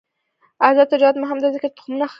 آزاد تجارت مهم دی ځکه چې تخمونه ښه کوي.